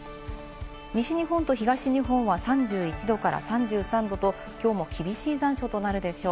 西日本と東日本は３１度から３３度ときょうも厳しい残暑となるでしょう。